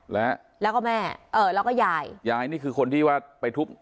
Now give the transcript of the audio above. แล้วก็แม่เอ่อแล้วก็ยายยายนี่คือคนที่ว่าไปทุบ